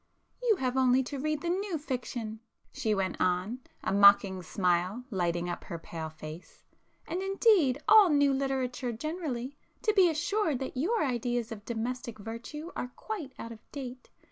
"You have only to read the 'new' fiction,"—she went on, a mocking smile lighting up her pale face, "and indeed all 'new' literature generally, to be assured that your ideas of domestic virtue are quite out of date.